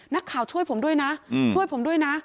นักข่าวช่วยผมด้วยนะช่วยผมด้วยนะ